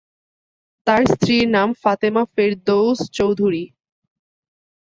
তাঁর স্ত্রীর নাম ফাতেমা ফেরদৌস চৌধুরী।